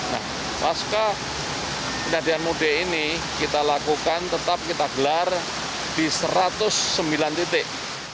nah pasca kejadian mudik ini kita lakukan tetap kita gelar di satu ratus sembilan titik